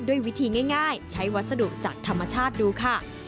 ด้วยวิธีง่ายใช้วัสดุจากธรรมชาติดูค่ะ